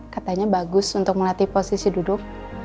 katanya bagus untuk melatih posisi duduk